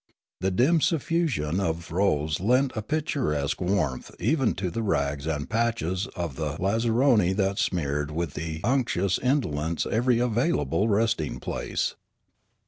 The dim suffusion of rose lent a picturesque warmth even to the rags and patches of the lazzaroni that smeared with unctuous indolence every available resting place.